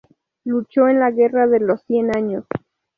Luchó en la Guerra de los Cien Años.